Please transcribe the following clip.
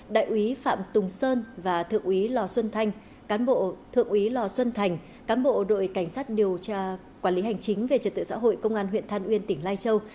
đại úy phạm tùng sơn và thượng úy lò xuân thành cán bộ đội cảnh sát điều tra quản lý hành chính về trật tựa xã hội công an huyện than uyên tỉnh lai châu